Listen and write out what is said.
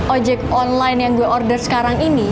ojek online yang gue order sekarang ini